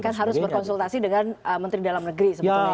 kan harus berkonsultasi dengan menteri dalam negeri sebetulnya ya